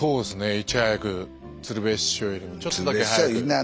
いち早く鶴瓶師匠よりもちょっとだけ早く。